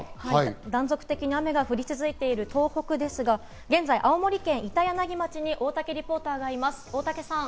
断続的に雨が降り続いている東北ですが、青森県板柳町に大竹さんがいます、大竹さん！